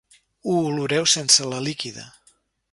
Ho oloreu sense la líquida.